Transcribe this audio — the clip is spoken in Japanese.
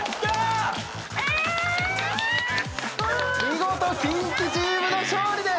見事キンキチームの勝利です！